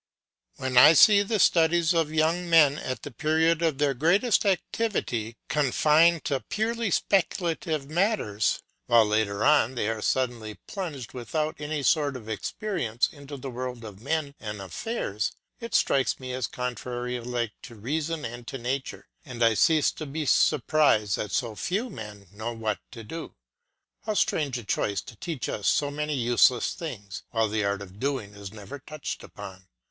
When I see the studies of young men at the period of their greatest activity confined to purely speculative matters, while later on they are suddenly plunged, without any sort of experience, into the world of men and affairs, it strikes me as contrary alike to reason and to nature, and I cease to be surprised that so few men know what to do. How strange a choice to teach us so many useless things, while the art of doing is never touched upon!